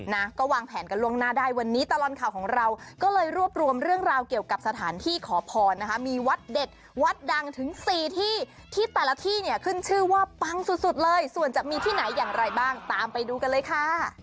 นะก็วางแผนกันล่วงหน้าได้วันนี้ตลอดข่าวของเราก็เลยรวบรวมเรื่องราวเกี่ยวกับสถานที่ขอพรนะคะมีวัดเด็ดวัดดังถึงสี่ที่ที่แต่ละที่เนี่ยขึ้นชื่อว่าปังสุดสุดเลยส่วนจะมีที่ไหนอย่างไรบ้างตามไปดูกันเลยค่ะ